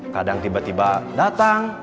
kadang tiba tiba datang